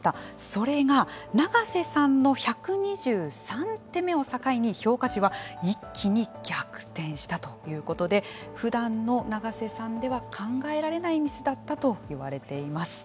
それが、永瀬さんの１２３手目を境に評価値は一気に逆転したということでふだんの永瀬さんでは考えられないミスだったといわれています。